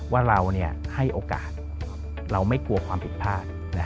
ว่าเราให้โอกาสเราไม่กลัวความผิดพลาด